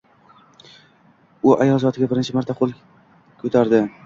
U ayol zotiga birinchi marta qo‘l ko‘tardi…